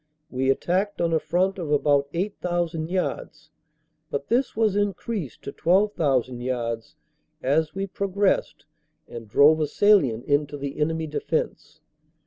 We attacked on a front of about 8,000 yards, but this was increased to 12,000 yards as we progressed and drove a salient into the enemy defense.